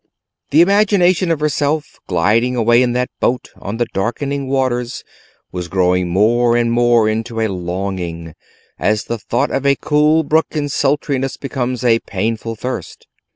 The imagination of herself gliding away in that boat on the darkening waters was growing more and more into a longing, as the thought of a cool brook in sultriness becomes a painful thirst.